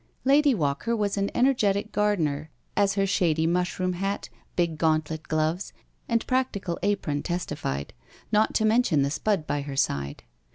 Lady Walker was an energetic gardener, as her shady mushroom hat, big gauntlet gloves, and practical apron testified, not to mention the spud by her side.